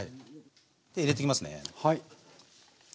入れてきますね。